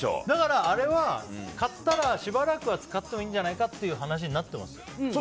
だから、あれは買ったらしばらく使ってもいいじゃないという話にはなってます。